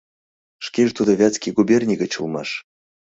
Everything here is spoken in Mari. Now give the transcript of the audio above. Шкеже тудо Вятский губерний гыч улмаш.